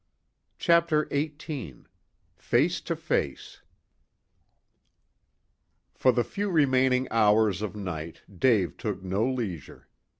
CHAPTER XVIII FACE TO FACE For the few remaining hours of night Dave took no leisure.